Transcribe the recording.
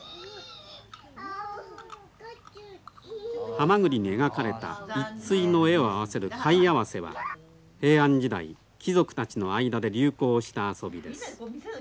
はまぐりに描かれた一対の絵を合わせる貝合わせは平安時代貴族たちの間で流行した遊びです。